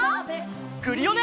クリオネ！